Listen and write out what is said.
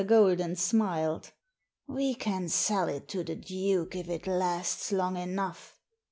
Grolden smiled " We can sell it to the Duke if it lasts long enough.